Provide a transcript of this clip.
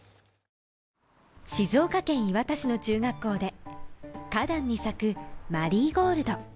静岡県磐田市の中学校で花壇に咲くマリーゴールド。